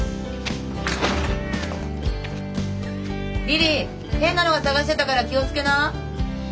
リリィ変なのが捜してたから気を付けな。